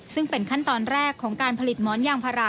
ซึ่งเป็นขั้นตอนแรกของการผลิตหมอนยางพารา